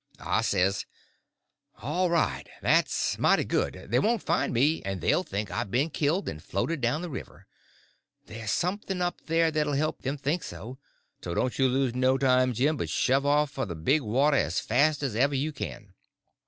I says: "All right—that's mighty good; they won't find me, and they'll think I've been killed, and floated down the river—there's something up there that 'll help them think so—so don't you lose no time, Jim, but just shove off for the big water as fast as ever you can."